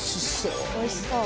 おいしそう。